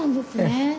へえ。